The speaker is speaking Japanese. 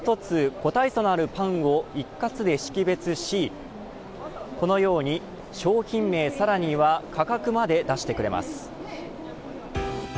個体差のあるパンを一括で識別しこのように商品名、さらには価格まで出してくれます。